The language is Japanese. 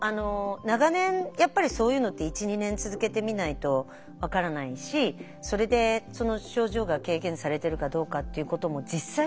長年やっぱりそういうのって１２年続けてみないと分からないしそれでその症状が軽減されてるかどうかっていうことも実際ね